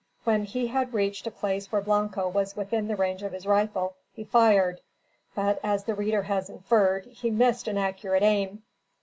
When he had reached a place where Blanco was within the range of his rifle, he fired; but, as the reader has inferred, he missed an accurate aim.